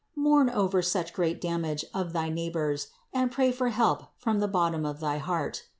Mourn, over such great damage of thy neighbors and pray for help from the bottom of thy heart.